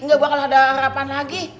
gak bakal ada harapan lagi